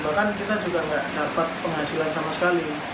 bahkan kita juga nggak dapat penghasilan sama sekali